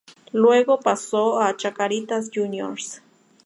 Luego pasó a Chacarita Juniors.